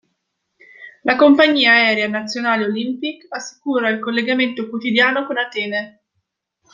La compagnia aerea nazionale Olympic assicura il collegamento quotidiano con Atene.